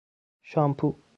شامپو